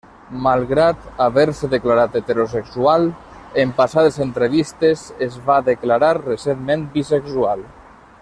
Malgrat haver-se declarat heterosexual en passades entrevistes, es va declarar recentment bisexual.